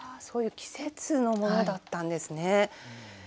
そういう季節のものだったんですね。